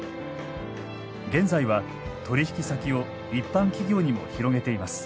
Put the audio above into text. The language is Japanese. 現在は取り引き先を一般企業にも広げています。